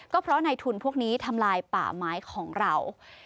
ก็เพราะในทุนพวกนี้ทำลายป่าไม้ของเรา